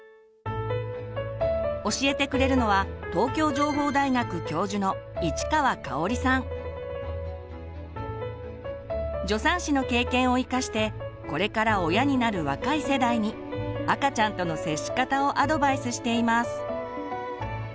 教えてくれるのは助産師の経験を生かしてこれから親になる若い世代に赤ちゃんとの接し方をアドバイスしています。